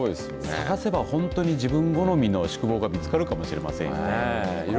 探せば本当に自分好みの宿坊が見つかるかもしれませんね。